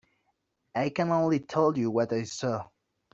I can only tell you what I saw.